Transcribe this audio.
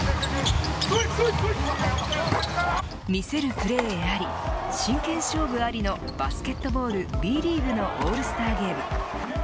魅せるプレーあり真剣勝負ありのバスケットボールＢリーグのオールスターゲーム。